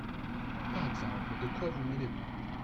Par exemple ! de quoi vous mêlez-vous ?